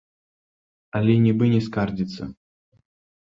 Але нібы не скардзіцца.